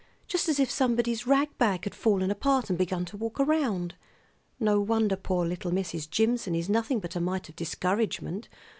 Just as if somebody's rag bag had fallen apart and begun to walk around. No wonder poor little Mrs. Jimson is nothing but a mite of discouragement.